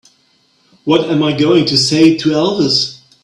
What am I going to say to Elvis?